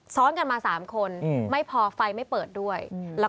ซ้อนกันมา๓คนไม่พอไฟไม่เปิดด้วย